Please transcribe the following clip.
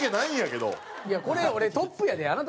いやこれ俺トップやで。